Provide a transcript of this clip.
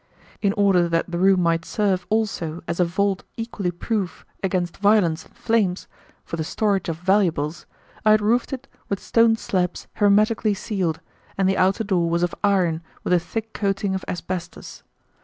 In order that the room might serve also as a vault equally proof against violence and flames, for the storage of valuables, I had roofed it with stone slabs hermetically sealed, and the outer door was of iron with a thick coating of asbestos.